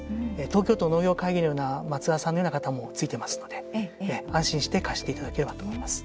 東京都農業会議のような松澤さんのような方もついてますので、安心して貸していただければと思います。